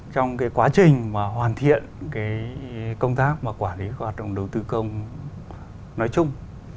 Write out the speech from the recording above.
trong cái quá trình mà hoàn thiện cái công tác mà quản lý hoạt động đầu tư công nói chung